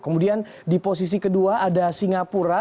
kemudian di posisi kedua ada singapura